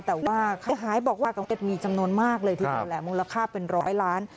แต่ว่าผู้เสียหายบอกว่าก็จะมีจำนวนมากเลยที่เราแหละมูลค่าเป็นร้อยล้าน